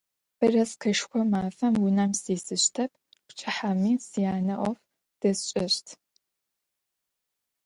Bereskeşşxo mafem vunem sisıştep, pçıhemi syane 'of desş'eşt.